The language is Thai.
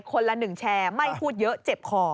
ละหนึ่งแชร์ไม่พูดเยอะเจ็บคอ